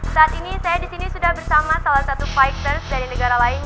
saat ini saya disini sudah bersama salah satu fighters dari negara lain